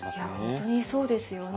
本当にそうですよね。